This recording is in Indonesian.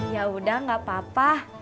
yaudah gak apa apa